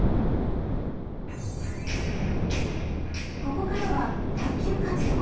ここからは探究活動！